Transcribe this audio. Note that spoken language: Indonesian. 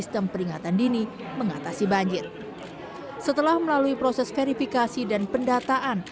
setelah melalui proses verifikasi dan pendataan